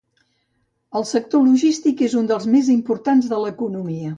El sector logístic és un dels més importants de l'economia.